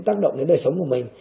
tác động đến đời sống của mình